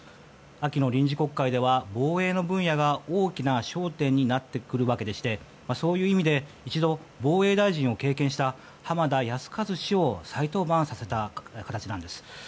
秋の臨時国会では防衛の分野が大きな焦点になってくるわけでしてそういう意味で一度防衛大臣を経験した浜田靖一氏を再登板させた形なんです。